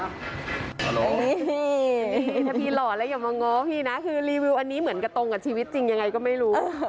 นี่ถ้าพี่หล่อแล้วอย่ามาง้อพี่นะคือรีวิวอันนี้เหมือนกับตรงกับชีวิตจริงยังไงก็ไม่รู้